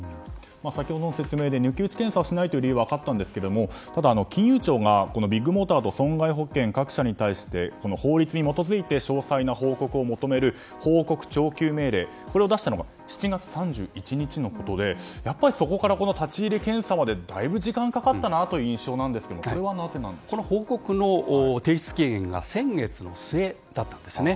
先ほどの説明で抜き打ち検査をしない理由は分かったんですがただ、金融庁がビッグモーターと損害保険各社に対して法律に基づいて詳細な報告を求める報告徴求命令を出したのが７月３１日のことでやっぱりそこから立ち入り検査までかなり時間がかかったなという印象なんですがこの報告の提出期限が先月の末だったんですね。